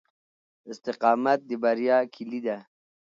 استقامت د بریا کیلي ده.